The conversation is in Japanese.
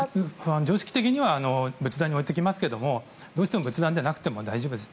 常識的には仏壇に置いておきますけどどうしても仏壇じゃなくても大丈夫です。